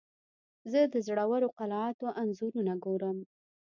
زه د زړو قلعاتو انځورونه ګورم.